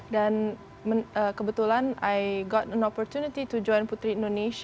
dan kebetulan saya mendapatkan kesempatan untuk bergabung dengan putri indonesia